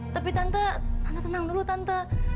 tapi tante tante tenang dulu tante